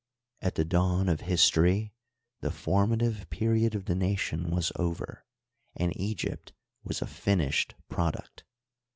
At the dawn of history the formative period of the nation was over, and Egypt was a finished product.